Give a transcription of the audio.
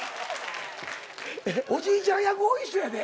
おじいちゃん役多い人やで。